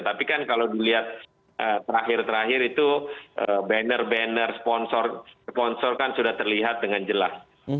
tapi kan kalau dilihat terakhir terakhir itu banner banner sponsor kan sudah terlihat dengan jelas